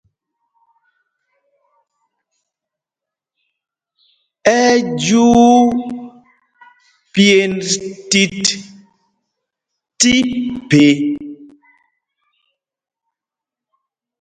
Ɛ́ ɛ́ jyuu pyēnd tit tí phe.